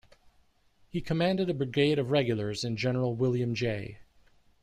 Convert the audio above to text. He commanded a brigade of regulars in General William J.